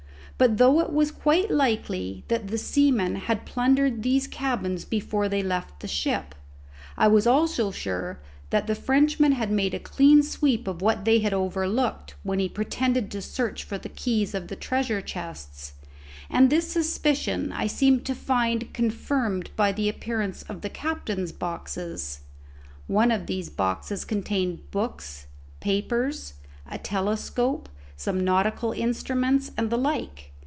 But though it was quite likely that the seamen had plundered these cabins before they left the ship, I was also sure that the Frenchman had made a clean sweep of what they had overlooked when he pretended to search for the keys of the treasure chests; and this suspicion I seemed to find confirmed by the appearance of the captain's boxes. One of these boxes contained books, papers, a telescope, some nautical instruments, and the like.